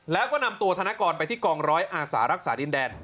แล้วก็นำตัวธนกรไปที่กองร้อยอาสารักษาดินแดน